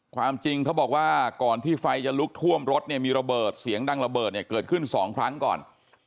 ความจริงเขาบอกว่าก่อนที่ไฟจะลุกท่วมรถเนี่ยมีระเบิดเสียงดังระเบิดเนี่ยเกิดขึ้น๒ครั้งก่อน